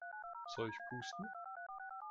Soll ich pusten?